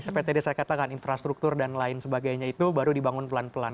seperti tadi saya katakan infrastruktur dan lain sebagainya itu baru dibangun pelan pelan